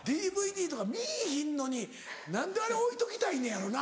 ＤＶＤとか見ぃひんのに何であれ置いときたいんねやろな。